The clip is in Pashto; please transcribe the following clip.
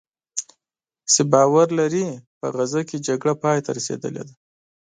چې باور لري "په غزه کې جګړه پایته رسېدلې ده"